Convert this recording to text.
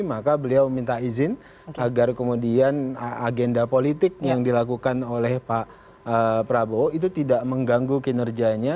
maka beliau meminta izin agar kemudian agenda politik yang dilakukan oleh pak prabowo itu tidak mengganggu kinerjanya